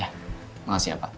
ya makasih pak